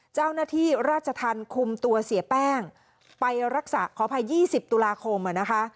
เจ้าหน้าที่ราชธรรมคุมตัวเสียแป้งไปรักษาขออภัย๒๐ตุลาคมนะคะ